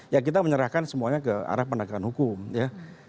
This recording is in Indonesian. ya kita menyerahkan semuanya ke arah penegakan hukum ya